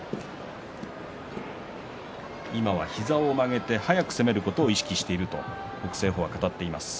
今は膝を曲げて速く攻めることを意識していると北青鵬は語っています。